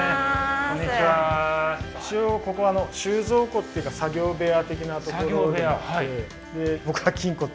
一応ここ収蔵庫っていうか作業部屋的なところになって。